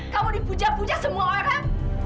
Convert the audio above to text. kamu dipuja puja semua orang